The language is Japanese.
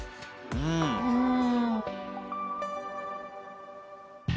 うん！うーん。